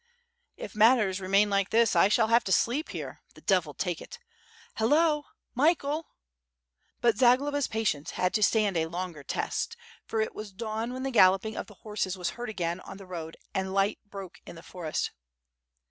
"If matters remain like this, I shall have to sleep here. The devil take it! Hello! Michael!" But Zagloba's patience had to stand a longer test, for it was dawn when the galloping of the horses was heard again on the road and light broke in the forest.